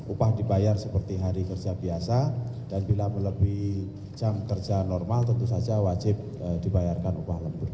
upah dibayar seperti hari kerja biasa dan bila melebihi jam kerja normal tentu saja wajib dibayarkan upah lembut